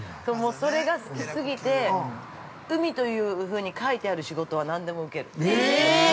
◆それが好きすぎて海というふうに書いてある仕事は何でも受ける。